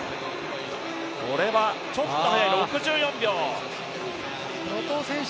これはちょっと速いか、６４秒。